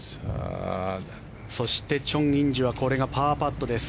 そしてチョン・インジはこれがパーパットです。